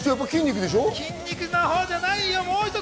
筋肉のほうじゃないよ。